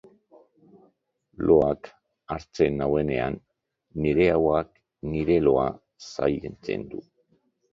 Loak hartzen nauenean nire oheak nire loa zaintzen du.